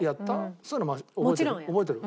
そういうのも覚えてる？